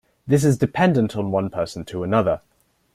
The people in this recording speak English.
This is dependent on one person to another.